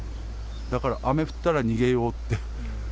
だから雨降ったら逃げようって。